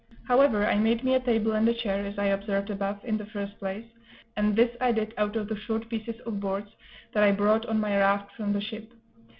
However, I made me a table and a chair, as I observed above, in the first place; and this I did out of the short pieces of boards that I brought on my raft from the ship.